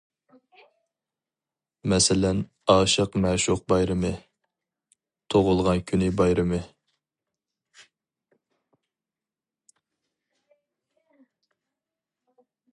مەسىلەن ئاشىق مەشۇق بايرىمى، تۇغۇلغان كۈنى بايرىمى.